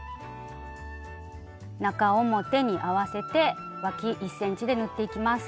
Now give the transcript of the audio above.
中表に合わせてわき１ｃｍで縫っていきます。